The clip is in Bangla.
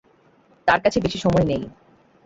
তার কাছে বেশি সময় নেই।